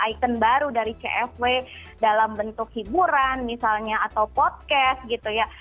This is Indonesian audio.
ikon baru dari cfw dalam bentuk hiburan misalnya atau podcast gitu ya